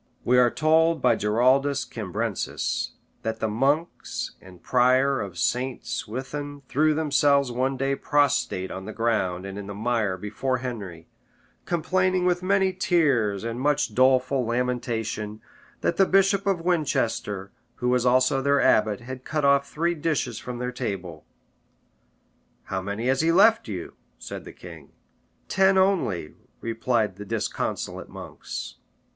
We are told by Giraldus Cambrensis, that the monks and prior of St. Swithun threw themselves one day prostrate on the ground and in the mire before Henry, complaining, with many tears and much doleful lamentation, that the bishop of Winchester, who was also their abbot, had cut off three dishes from their table. "How many has he left you?" said the king. "Ten only," replied the disconsolate monks.